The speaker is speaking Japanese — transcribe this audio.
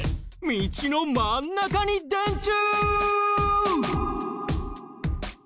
道の真ん中に電柱！？